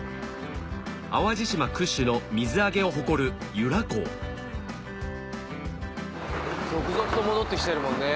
淡路島屈指の水揚げを誇る由良港続々と戻ってきてるもんね